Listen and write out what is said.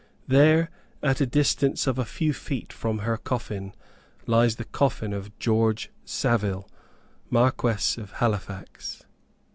There, at the distance of a few feet from her coffin, lies the coffin of George Savile, Marquess of Halifax.